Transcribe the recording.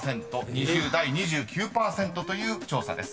２０代２９％という調査です］